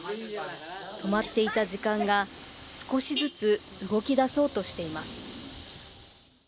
止まっていた時間が、少しずつ動き出そうとしています。